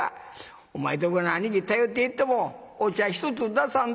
『お前とこの兄貴頼っていってもお茶一つ出さんぞ』